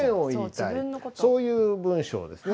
そういう文章ですね。